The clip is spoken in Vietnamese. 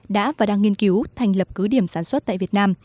đã và đang nghiên cứu thành lập cứ điểm sản xuất tại việt nam